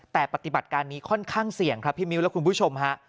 แต่ปฏิบัติการนี้ค่อนข้างเสี่ยงครับพี่มิ้วและคุณผู้ชมฮะ